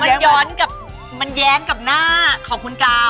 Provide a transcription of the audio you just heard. มันย้อนกับมันแย้งกับหน้าของคุณกาว